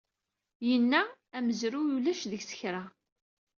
Yenna:amezruy ulac deg-s kra.